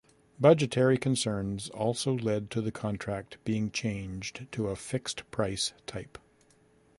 Budgetary concerns also led to the contract being changed to a fixed-price type.